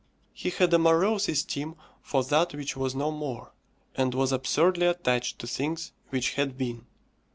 He had a morose esteem for that which was no more, and was absurdly attached to things which had been.